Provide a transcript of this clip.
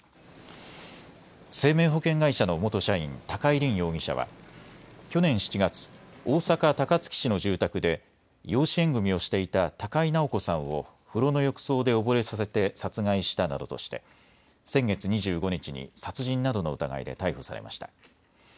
生命保険会社の元社員、高井凜容疑者は去年７月、大阪高槻市の住宅で養子縁組みをしていた高井直子さんを風呂の浴槽で溺れさせて殺害したなどとして先月２５日に殺人などの疑いで逮捕されました。